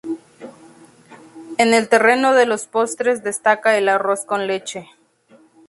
En el terreno de los postres destaca el arroz con leche.